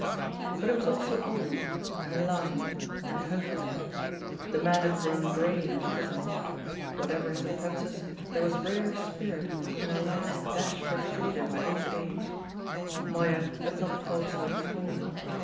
But it was also old, and lined, and hunted; the man had grown grey in prison; whatever his offences, there was rare spirit in a last dash for freedom at his age. Moya had not thought so before.